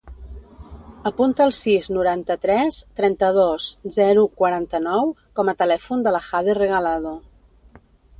Apunta el sis, noranta-tres, trenta-dos, zero, quaranta-nou com a telèfon de la Jade Regalado.